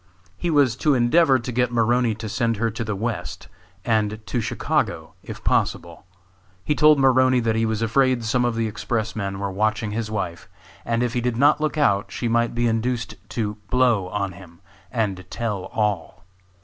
He was to endeavor to get Maroney to send her to the west, and to Chicago, if possible. He told Maroney that he was afraid some of the express men were watching his wife, and if he did not look out she might be induced to "blow" on him and tell all.